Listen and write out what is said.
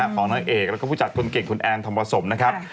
ของนางเอกแล้วก็ผู้จัดคนเก่งคุณแอนธรรมสมนะครับ